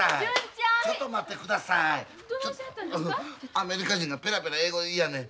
アメリカ人がペラペラ英語言いやんねん。